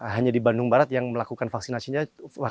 hanya di bandung barat yang melakukan vaksinasinya